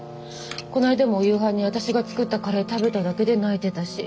こないだもお夕飯に私が作ったカレー食べただけで泣いてたし。